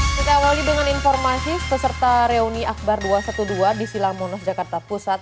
kita mulai dengan informasi seserta reuni akbar dua ratus dua belas di silamonos jakarta pusat